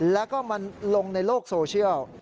แล้วก็มันลงในโลกโซเชียล